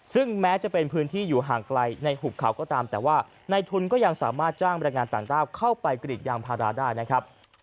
ซึ่งแม้จะเป็นพื้นที่อยู่ห่างไกลในหุบเขาก็ตามแต่ว่าในทุนก็ยังสามารถจ้างบรรยายงานต่างด้าวเข้าไปกรีดยางพาราได้นะครับ